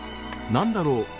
何だろう？